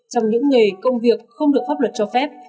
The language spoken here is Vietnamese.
trong những nghề công việc không được pháp luật cho phép